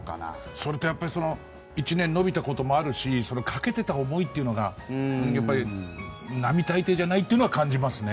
それと１年延びたこともあるしかけてた思いというのがやっぱり並大抵じゃないのは感じますね。